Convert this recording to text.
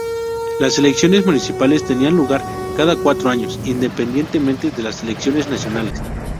Las elecciones municipales tenían lugar cada cuatro años, independientemente de las elecciones nacionales.